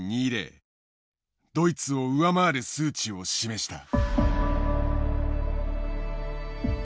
ドイツを上回る数値を示した。